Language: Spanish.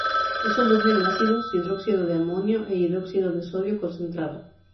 Es soluble en ácidos, hidróxido de amonio e hidróxido de sodio concentrado.